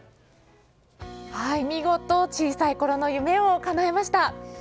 見事、小さいころの夢をかなえました。